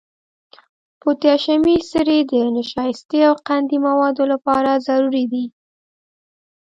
پوتاشیمي سرې د نشایستې او قندي موادو لپاره ضروري دي.